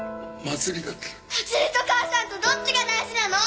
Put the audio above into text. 祭りと母さんとどっちが大事なの？